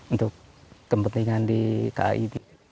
untuk kepentingan di kai